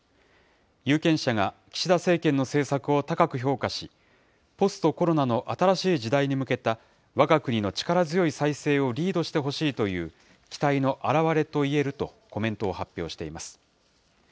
有権者が岸田政権の政策を高く評価し、ポストコロナの新しい時代に向けた、わが国の力強い再生をリードしてほしいという期待の表れといえるとコメントを発表しています。